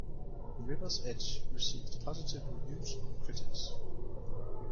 "River's Edge" received positive reviews from critics.